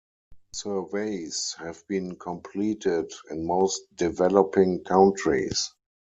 Surveys have been completed in most developing countries.